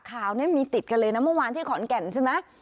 ข่าวนี้มีติดกันเลยนะเมื่อวานที่ขอนแก่นใช่ไหม